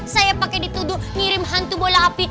saya pakai dituduh ngirim hantu bola api